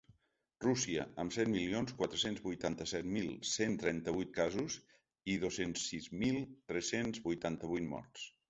Rússia, amb set milions quatre-cents vuitanta-set mil cent trenta-vuit casos i dos-cents sis mil tres-cents vuitanta-vuit morts.